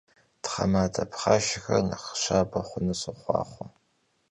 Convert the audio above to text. Themade pxhaşşexer nexh şabe xhunu soxhuaxhue!